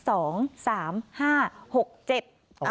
โอ้โฮ